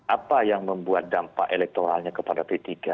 apa yang membuat dampak elektoralnya kepada p tiga